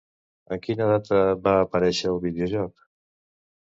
En quina data va aparèixer el videojoc?